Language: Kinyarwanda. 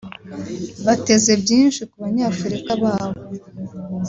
bateze byinshi ku banyafurika babo